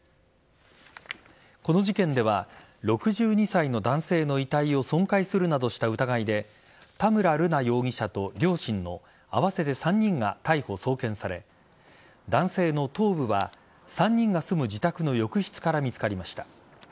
この事件では６２歳の男性の遺体を損壊するなどした疑いで田村瑠奈容疑者と両親の合わせて３人が逮捕・送検され男性の頭部は３人が住む自宅の浴室から見つかりました。